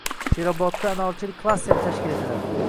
Sherobodda anorchilik klasteri tashkil etiladi